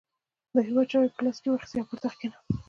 د هیواد چارې یې په لاس کې واخیستې او پر تخت کښېناست.